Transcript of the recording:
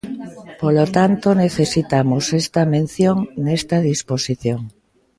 Polo tanto, necesitamos esta mención nesta disposición.